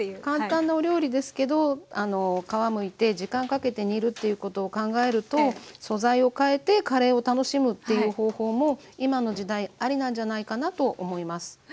簡単なお料理ですけど皮むいて時間かけて煮るっていうことを考えると素材をかえてカレーを楽しむっていう方法も今の時代アリなんじゃないかなと思います。